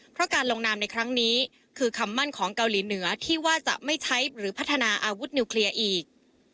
เพราะการลงนามในครั้งนี้คือคำมั่นของเกาหลีเหนือที่ว่าจะไม่ใช้หรือพัฒนาอาวุธนิวเคลียร์อีก